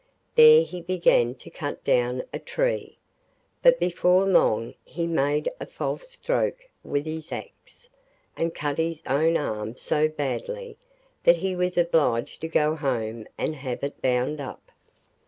There he began to cut down a tree, but before long he made a false stroke with his axe, and cut his own arm so badly that he was obliged to go home and have it bound up.